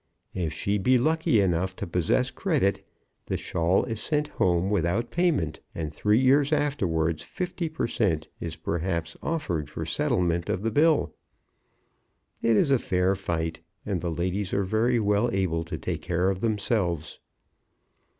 If she be lucky enough to possess credit, the shawl is sent home without payment, and three years afterwards fifty per cent. is perhaps offered for settlement of the bill. It is a fair fight, and the ladies are very well able to take care of themselves.